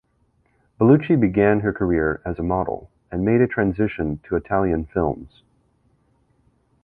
Bellucci began her career as a model and made a transition to Italian films.